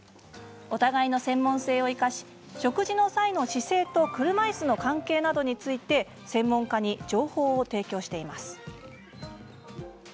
お互いの専門性を生かし食事の際の姿勢と車いすの関係などについて専門家に情報を提供しています。